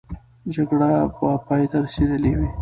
جګړه به پای ته رسېدلې وي.